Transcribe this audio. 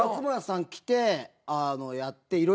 松村さん来てやって。